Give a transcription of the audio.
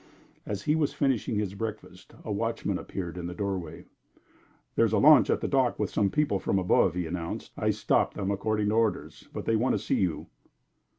As he was finishing his breakfast, a watchman appeared in the doorway. "There's a launch at the dock with some people from above," he announced. "I stopped them, according to orders, but they want to see you."